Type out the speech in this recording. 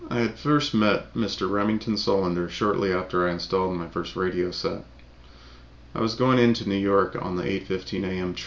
_ I first met Mr. Remington Solander shortly after I installed my first radio set. I was going in to New York on the 8:15 A.M.